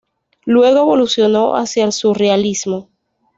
Luego evolucionó hacia el surrealismo.